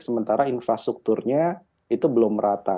sementara infrastrukturnya itu belum rata